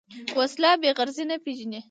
وسله بېغرضي نه پېژني